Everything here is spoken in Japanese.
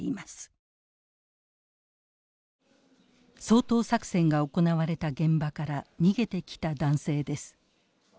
掃討作戦が行われた現場から逃げてきた男性です。